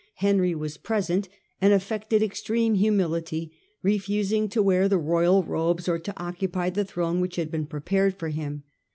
Henry was present and afiected extreme humility, re synod at fusiug to wcar the royal robes or to occupy the 1106 throne which had been prepared for him.